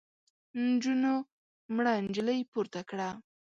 نجونو مړه نجلۍ پورته کړه.